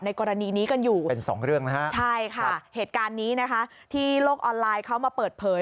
ในกรณีนี้กันอยู่ใช่ค่ะเหตุการณ์นี้นะคะที่โลกออนไลน์เขามาเปิดเผย